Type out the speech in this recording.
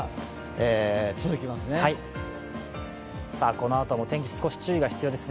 このあとの天気、少し注意が必要です。